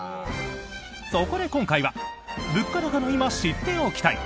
そこで今回は物価高の今、知っておきたい！